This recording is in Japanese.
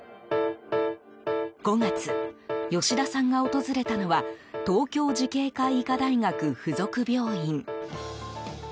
５月、吉田さんが訪れたのは東京慈恵会医科大学附属病院。